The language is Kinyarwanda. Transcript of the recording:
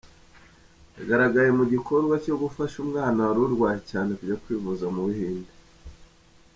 Yagaragaye mu gikorwa cyo gufasha umwana wari urwaye cyane kujya kwivuriza mu buhindi